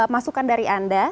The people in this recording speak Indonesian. masukan dari anda